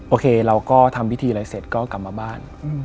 โอเคเราก็ทำพิธีอะไรเสร็จก็กลับมาบ้าน